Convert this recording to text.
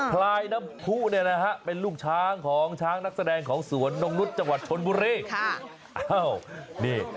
พลายน้ำผู้เนี่ยนะฮะเป็นลูกช้างของช้างนักแสดงของสวนนงนุษย์จังหวัดชนบุรี